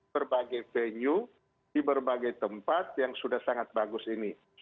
berbagai venue di berbagai tempat yang sudah sangat bagus ini